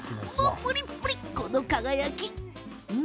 プリップリ、この輝き！